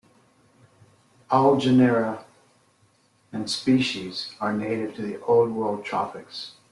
All genera and species are native to the Old World tropics.